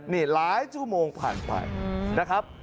นี่หลายชั่วโมงผ่านไปนะครับ